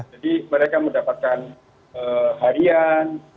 jadi mereka mendapatkan harian